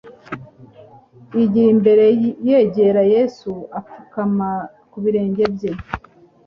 Yigira imbere yegera Yesu apfukama ku birenge bye